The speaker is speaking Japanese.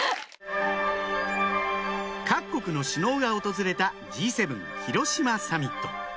各国の首脳が訪れたＧ７広島サミット